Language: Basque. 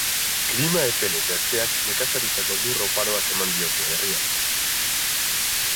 Klima epel eta hezeak nekazaritzarako lur oparoa eman diote herriari.